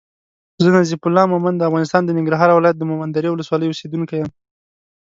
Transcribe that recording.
زه نظیف الله مومند د افغانستان د ننګرهار ولایت د مومندرې ولسوالی اوسېدونکی یم